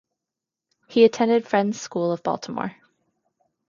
He attended Friends School of Baltimore.